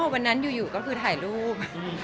วันนั้นอยู่ก็คือถ่ายรูป